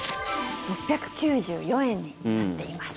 ６９４円になっています。